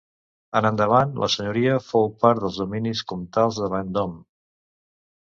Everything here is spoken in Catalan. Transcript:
En endavant la senyoria fou part dels dominis comtals de Vendôme.